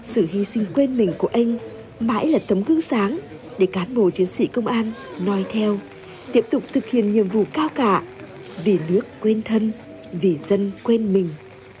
sự hy sinh quên mình của anh mãi là tấm gương sáng để cán bộ chiến sĩ công an nói theo tiếp tục thực hiện nhiệm vụ cao cả vì nước quên thân vì dân quên mình